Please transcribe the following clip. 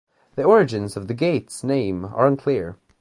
The origins of the gate's name are unclear.